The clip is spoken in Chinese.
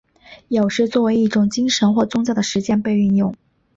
有时作为一种精神或宗教的实践被运用。